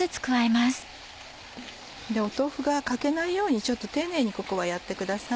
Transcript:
豆腐が欠けないようにちょっと丁寧にここはやってください